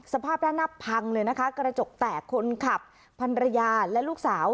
สภาพด้านหน้าพังเลยนะคะกระจกแตกคนขับพันรยาและลูกสาว